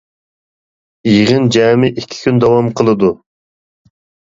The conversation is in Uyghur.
يىغىن جەمئىي ئىككى كۈن داۋام قىلىدۇ.